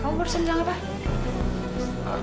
kamu bersenjata apa